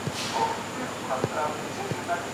د علم او تخنيک په برخه کي پرمختګ وکړئ.